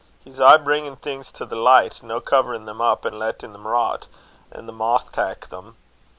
He's aye bringin' things to the licht, no covenin' them up and lattin them rot, an' the moth tak' them.